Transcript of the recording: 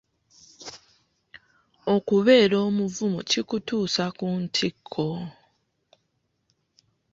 Okubeera omuvumu kikutuusa ku ntikko.